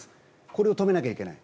これを止めなきゃいけない。